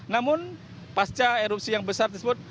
namun pasca erupsi yang besar tersebut